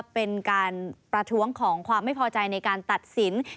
เป็นการประท้วงของความไม่พอใจในการตัดสิน